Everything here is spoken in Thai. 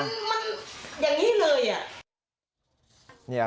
มันอย่างนี้เลยอ่ะ